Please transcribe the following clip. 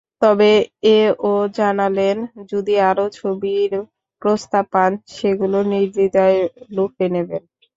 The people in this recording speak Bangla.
তবে এ-ও জানালেন, যদি আরও ছবির প্রস্তাব পান, সেগুলো নির্দ্বিধায় লুফে নেবেন।